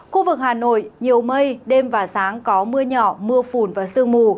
khu vực hà nội nhiều mây đêm và sáng có mưa nhỏ mưa phùn và sương mù